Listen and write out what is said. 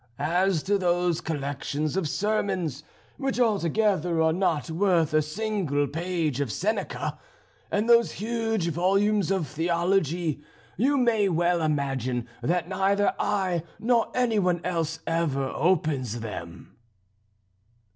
As to those collections of sermons, which altogether are not worth a single page of Seneca, and those huge volumes of theology, you may well imagine that neither I nor any one else ever opens them."